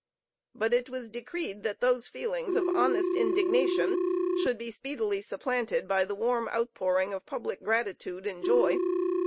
But it was decreed that those feelings of honest indignation should be speedily supplanted by the warm outpouring of public gratitude and joy.